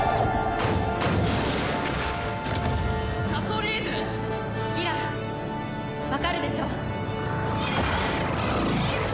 サソリーヌ！？ギラわかるでしょ？